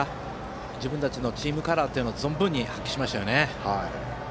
自分たちのチームカラーを存分に発揮しましたよね。